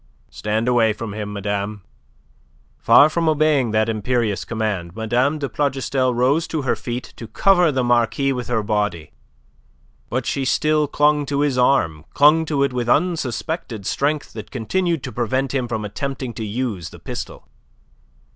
"Stand away from him, madame." Far from obeying that imperious command, Mme. de Plougastel rose to her feet to cover the Marquis with her body. But she still clung to his arm, clung to it with unsuspected strength that continued to prevent him from attempting to use the pistol.